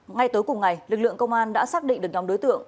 ngay tối cùng ngày lực lượng công an đã xác định được nhóm đối tượng